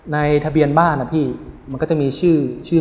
ในทะเบียนบ้านจะมีเชื่อ